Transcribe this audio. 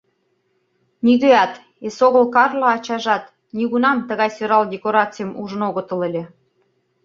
Нигӧат, эсогыл Карло ачажат, нигунам тыгай сӧрал декорацийым ужын огытыл ыле.